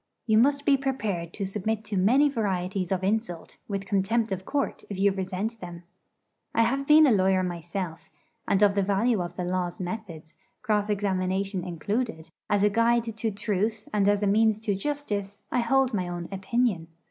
You must be prepared to submit to many varieties of insult, with contempt of court if you resent them. I have been a lawyer myself, and of the value of the Law's methods, cross examination included, as a guide to truth and as a means to justice, I hold my own opinion.